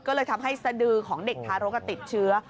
ก็เลยทำให้สดือของเด็กทารกติดเชื้อ